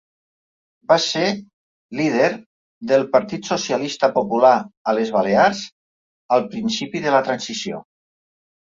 Va ser líder del Partit Socialista Popular a les Balears al principi de la Transició.